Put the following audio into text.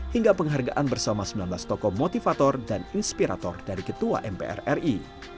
hingga penghargaan bersama sembilan belas tokoh motivator dan inspirator dari ketua mpr ri